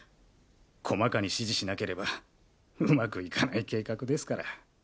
細かに指示しなければうまくいかない計画ですから。